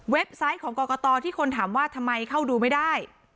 ไซต์ของกรกตที่คนถามว่าทำไมเข้าดูไม่ได้